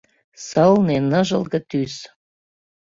Сылне, ныжылге тӱс.